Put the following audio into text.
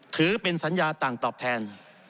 ถือเป็นสัญญาต่างตอบแทน